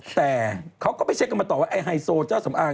แต่เขาก็ไปเช็คกันมาต่อว่าไอ้ไฮโซเจ้าสำอาง